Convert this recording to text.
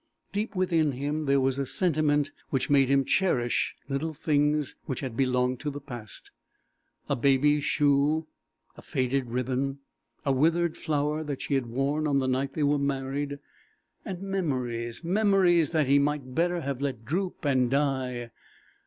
Deep within him there was a sentiment which made him cherish little things which had belonged to the past a baby's shoe, a faded ribbon, a withered flower that she had worn on the night they were married; and memories memories that he might better have let droop and die.